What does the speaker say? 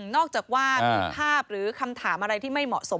นอกจากว่ามีภาพหรือคำถามอะไรที่ไม่เหมาะสม